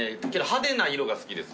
派手な色が好きです